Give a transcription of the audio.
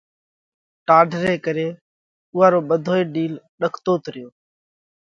ٽاڍ ري ڪري اُوئا رو ٻڌوئي ڏِيل ڏڪتوت ريو